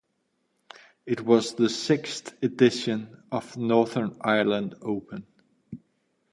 It was the sixth edition of the Northern Ireland Open.